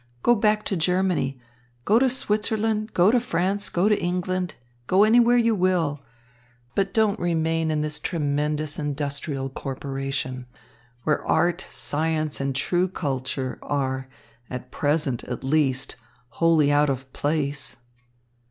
Go back to Germany, go to Switzerland, go to France, go to England, go anywhere you will, but don't remain in this tremendous industrial corporation, where art, science, and true culture are, at present at least, wholly out of place."